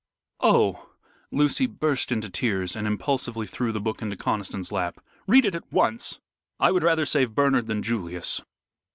"Oh!" Lucy burst into tears and impulsively threw the book into Conniston's lap. "Read it at once; I would rather save Bernard than Julius."